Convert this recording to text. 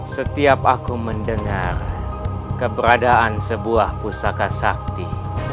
setiap aku mendengar keberadaan sebuah pusaka sakti